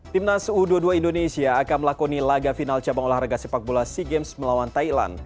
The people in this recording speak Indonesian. timnas u dua puluh dua indonesia akan melakoni laga final cabang olahraga sepak bola sea games melawan thailand